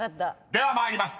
［では参ります。